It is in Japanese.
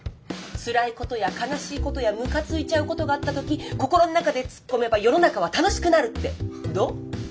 つらいことや悲しいことやむかついちゃうことがあったとき心の中でツッコめば世の中は楽しくなるってどう？